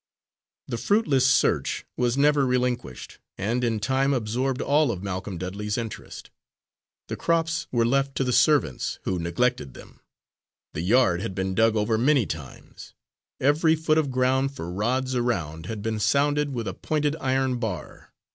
The fruitless search was never relinquished, and in time absorbed all of Malcolm Dudley's interest. The crops were left to the servants, who neglected them. The yard had been dug over many times. Every foot of ground for rods around had been sounded with a pointed iron bar.